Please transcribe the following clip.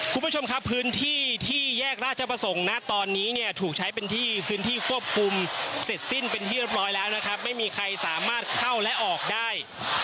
คุณผู้ชมครับพื้นที่ที่แยกราชประสงค์นะตอนนี้เนี่ยถูกใช้เป็นที่พื้นที่ควบคุมเสร็จสิ้นเป็นที่เรียบร้อยแล้วนะครับไม่มีใครสามารถเข้าและออกได้